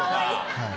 はい。